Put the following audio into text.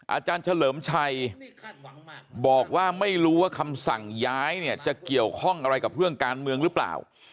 อาจารย์เฉลิมชัยบอกว่าไม่รู้ว่าคำสั่งย้ายเนี่ยจะเกี่ยวข้องอะไรกับเรื่องการเมืองหรือเปล่า